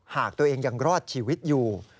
หากตัวเองยังรอดชีวิตอยู่